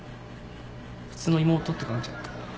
普通の妹って感じやった。